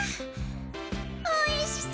おいしそ！